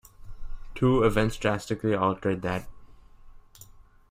Two events drastically altered that.